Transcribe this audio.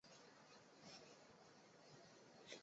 拱胸虫为圆管虫科拱胸虫属的动物。